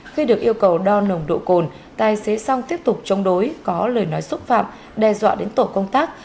khi được yêu cầu đo nồng độ cồn tài xế song tiếp tục chống đối có lời nói xúc phạm đe dọa đến tổ công tác